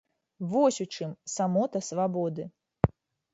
Вось у чым самота свабоды.